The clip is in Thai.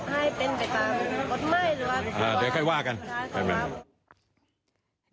ให้เป็นเป็นกระจกว่ากัน